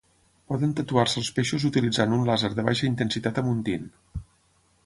Poden tatuar-se els peixos utilitzant un làser de baixa intensitat amb un tint.